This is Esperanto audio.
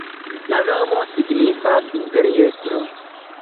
La nomo signifas imperiestro.